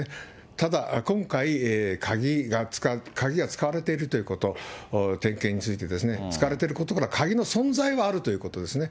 ただ今回、鍵が使われているということ、点検についてですね、使われてることから、鍵の存在はあるということですね。